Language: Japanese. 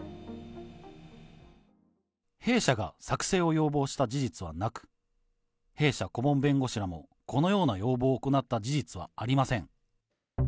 弊社が作成を要望した事実はなく、弊社顧問弁護士らもこのような要望を行った事実はありません。